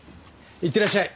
いってらっしゃい。